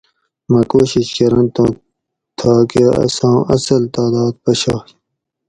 مہ کوشش کرنت اُوں تھاکہ اساں اصل تعداد پشائ